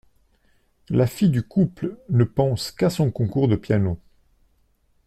La fille du couple ne pense qu'à son concours de piano.